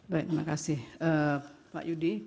baik terima kasih pak yudi